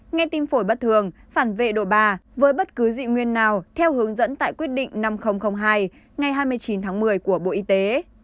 nghe tim phổi bất thường phản vệ đồ bà với bất cứ dị nguyên nào theo hướng dẫn tại quyết định năm nghìn hai ngày hai mươi chín tháng một mươi của bộ y tế